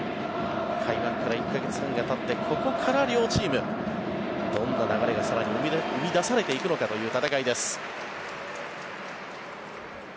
開幕から１か月半がたってここから両チームどんな流れが更に生み出されていくのかという戦いです。